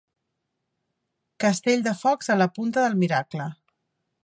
Castell de focs a la punta del Miracle.